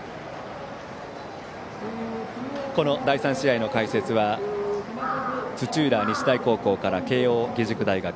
この第３試合の解説は土浦日大高校から慶応義塾大学